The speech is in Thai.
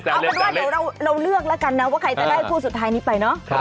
เอาเป็นว่าเดี๋ยวเราเลือกแล้วกันนะว่าใครจะได้คู่สุดท้ายนี้ไปเนาะ